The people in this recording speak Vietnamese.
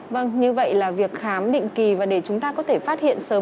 vâng như vậy là việc khám định kỳ và để chúng ta có thể phát hiện sớm